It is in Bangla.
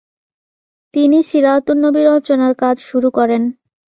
তিনি সীরাতুন নবী রচনার কাজ শুরু করেন।